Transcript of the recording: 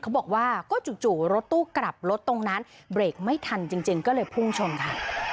เขาบอกว่าก็จู่รถตู้กลับรถตรงนั้นเบรกไม่ทันจริงก็เลยพุ่งชนค่ะ